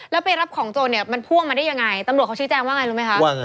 แล้วไปรับของโจรเนี่ยมันพ่วงมาได้ยังไงตำรวจเขาชี้แจงว่าไงรู้ไหมคะว่าไง